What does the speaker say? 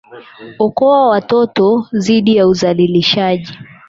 Okoa watoto zidi ya uzalilishaji